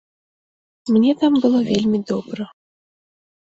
Мне там было вельмі добра.